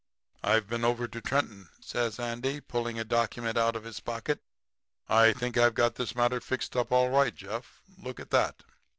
"'I've been over to Trenton,' says Andy, pulling a document out of his pocket. 'I think I've got this matter fixed up all right, Jeff. Look at that.'